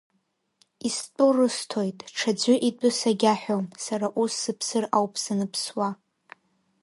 Истәу рысҭоит, ҽаӡәы итәы сагьаҳәом, сара ус сыԥсыр ауп саныԥсуа.